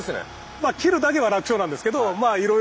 まあ切るだけは楽勝なんですけどまあいろいろですね。